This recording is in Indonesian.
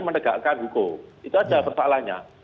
menegakkan hukum itu ada persoalannya